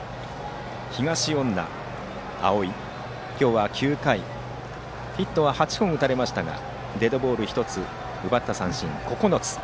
東恩納蒼、今日は９回ヒットは８本打たれましたがデッドボール１つ奪った三振９つ。